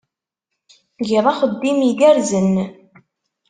Tgiḍ axeddim igerrzen.